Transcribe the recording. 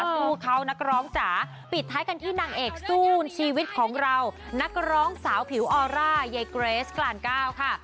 คู่เขานักร้องจ๋าปิดท้ายกันที่นางเอกสู้ชีวิตของเรานักร้องสาวผิวออร่ายายเกรสกลานเก้าค่ะ